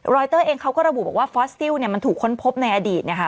รอยเตอร์เองเขาก็ระบุบอกว่าฟอสติลเนี่ยมันถูกค้นพบในอดีตนะคะ